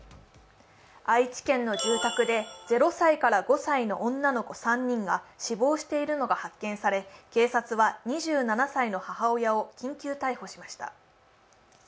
愛知県の住宅で０歳から５歳の女の子３人が死亡しているのが発見され、警察は２７歳の母親を緊急逮捕しました。